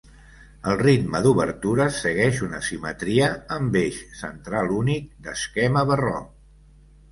El ritme d'obertures segueix una simetria amb eix central únic, d'esquema barroc.